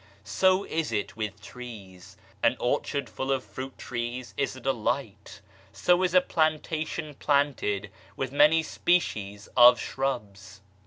So is it with trees. An orchard full of fruit trees is a delight ; so is a plantation planted with many species of shrubs.